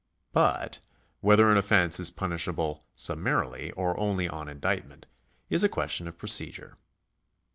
But whether an offence is punishable summarily or only on indictment is a question of procedure.